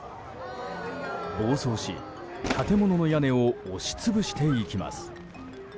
暴走し、建物の屋根を押し潰していきます。